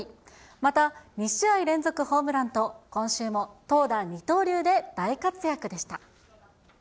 また、２試合連続ホームランと、今週も投打二刀流で大活躍でした。